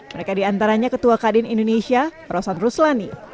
mereka diantaranya ketua kadin indonesia rosan ruslani